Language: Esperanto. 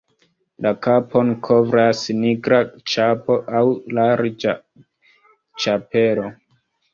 La kapon kovras nigra ĉapo aŭ larĝa ĉapelo.